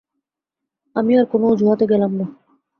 আমি আর কোনো অজুহাতে গেলাম না।